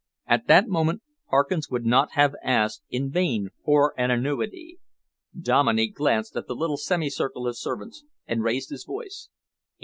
At that moment Parkins would not have asked in vain for an annuity. Dominey glanced at the little semicircle of servants and raised his voice.